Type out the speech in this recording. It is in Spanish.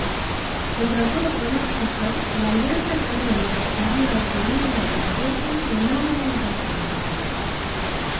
Contra todo pronóstico, la Alianza Rebelde había obtenido una victoria de enorme importancia.